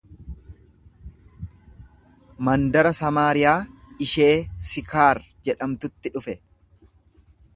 Mandara Samaariyaa ishee Sikaar jedhamtutti dhufe.